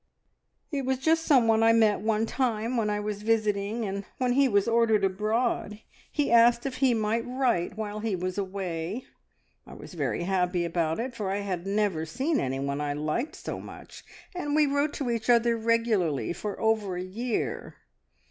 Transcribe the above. "It was just someone I met one time when I was visiting, and when he was ordered abroad he asked if he might write while he was away. I was very happy about it, for I had never seen anyone I liked so much, and we wrote to each other regularly for over a year.